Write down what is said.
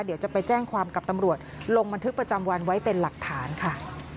เดี๋ยวจะไปแจ้งความกับตำรวจลงบันทึกประจำวันไว้เป็นหลักฐานค่ะ